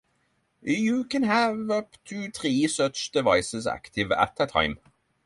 You can have up to three such devices active at a time.